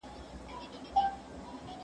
زه اوږده وخت کتابونه لولم وم!؟